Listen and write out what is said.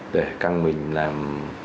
để căng mình làm